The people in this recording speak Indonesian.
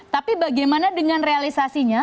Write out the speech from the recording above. tapi bagaimana dengan realisasinya